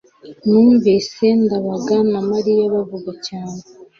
numvise ndabaga na mariya bavuga cyane